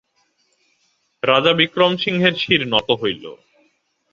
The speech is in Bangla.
রাজা বিক্রমসিংহের শির নত হইল।